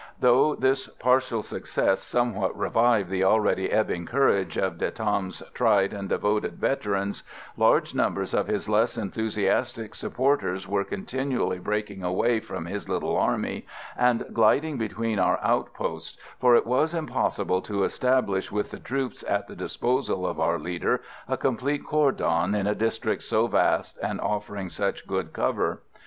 Though this partial success somewhat revived the already ebbing courage of De Tam's tried and devoted veterans, large numbers of his less enthusiastic supporters were continually breaking away from his little army, and gliding between our outposts, for it was impossible to establish with the troops at the disposal of our leader a complete cordon in a district so vast and offering such good cover.